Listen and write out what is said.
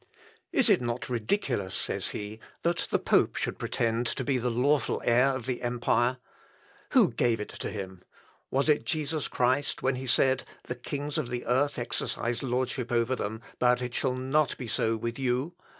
"Is it not ridiculous," says he, "that the pope should pretend to be the lawful heir of the empire? Who gave it to him? Was it Jesus Christ, when he said, '_The kings of the earth exercise lordship over them, but it shall not be so with you'?